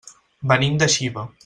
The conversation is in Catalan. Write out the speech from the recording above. Venim de Xiva.